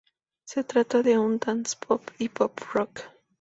Se trata de un dance-pop y pop rock.